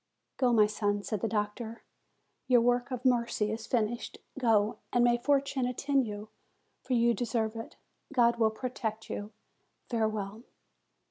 "Go, my son," said the doctor : "your work of mercy is finished. Go, and may fortune attend you ! for you deserve it. God will protect you. Farewell!"